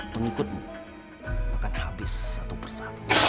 pengikutmu akan habis satu persatu